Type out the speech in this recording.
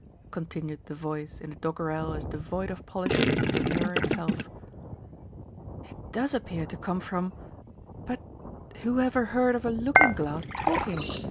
continued the voice in a doggerel as devoid of polish as the mirror itself. "It does appear to come from but whoever heard of a looking glass talking?"